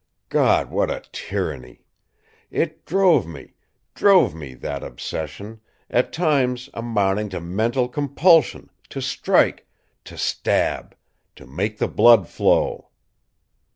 God, what a tyranny! It drove me, drove me, that obsession, at times amounting to mental compulsion, to strike, to stab, to make the blood flow!"